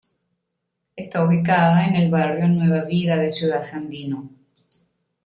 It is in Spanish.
Está ubicada en el barrio Nueva Vida de Ciudad Sandino.